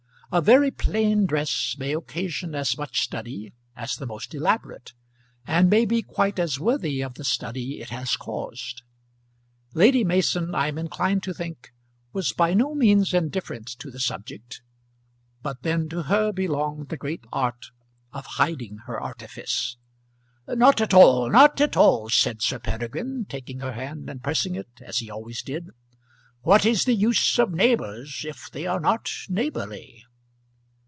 A very plain dress may occasion as much study as the most elaborate, and may be quite as worthy of the study it has caused. Lady Mason, I am inclined to think, was by no means indifferent to the subject, but then to her belonged the great art of hiding her artifice. "Not at all; not at all," said Sir Peregrine, taking her hand and pressing it, as he always did. "What is the use of neighbours if they are not neighbourly?"